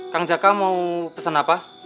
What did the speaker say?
kang jaka mau pesan apa